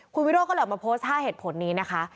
คุณวิโรธก็เลยออกมาโพสต์๕เหตุผลนี้นะคะ